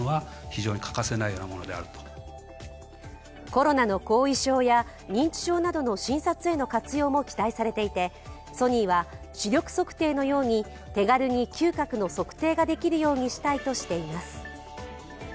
コロナの後遺症や認知症などの診察への活用も期待されていてソニーは視力測定のように気軽に嗅覚の測定ができるようにしたいとしています。